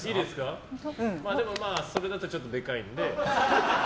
でも、それだとちょっとでかいので。